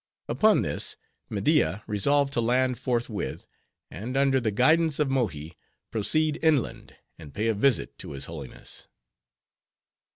Upon this, Media resolved to land forthwith, and under the guidance of Mohi, proceed inland, and pay a visit to his Holiness.